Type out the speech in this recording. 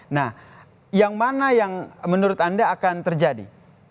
nah yang mana yang menurut anda akan terjadi